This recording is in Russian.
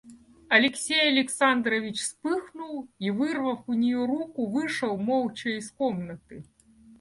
Алексей Александрович вспыхнул и, вырвав у нее руку, вышел молча из комнаты.